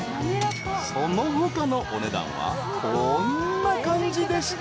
［その他のお値段はこんな感じでした］